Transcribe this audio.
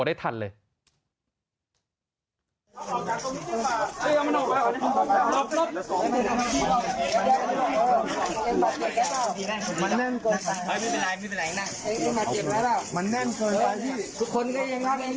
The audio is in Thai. ได้ทันเลย